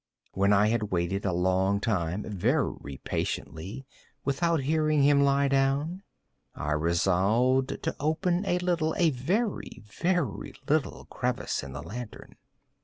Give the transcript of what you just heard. When I had waited a long time, very patiently, without hearing him lie down, I resolved to open a little—a very, very little crevice in the lantern.